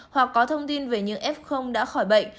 hoặc có thông tin về những f đã khỏi bệnh